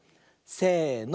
せの。